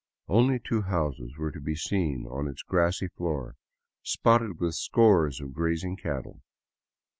Only two houses were to be seen on its grassy floor, spotted with scores of grazing cattle.